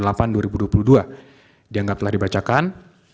dianggap telah dibacakan